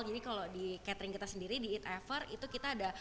kalau di catering kita sendiri di eat ever itu kita ada